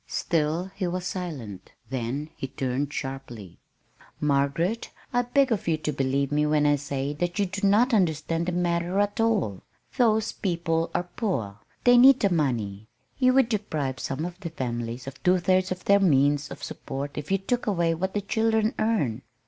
Still he was silent. Then he turned sharply. "Margaret, I beg of you to believe me when I say that you do not understand the matter at all. Those people are poor. They need the money. You would deprive some of the families of two thirds of their means of support if you took away what the children earn.